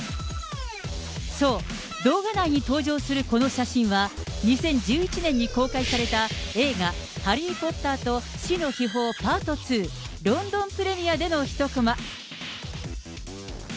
そう、動画内に登場するこの写真は、２０１１年に公開された映画、ハリー・ポッターと死の秘宝パート２、ロンドンプレミアでの一コマ。